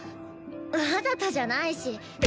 わざとじゃないし。